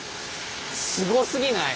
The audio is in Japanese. すごすぎない？